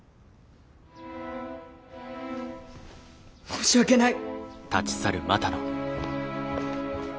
申し訳ない！